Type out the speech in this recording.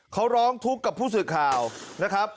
เขาร้องทุกข์กับผู้สื่อข่าวนะครับ